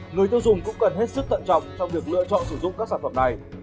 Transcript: người tiêu dùng cũng cần hết sức thận trọng trong việc lựa chọn sử dụng các sản phẩm này